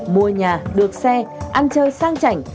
mua nhà được xe ăn chơi sang chảnh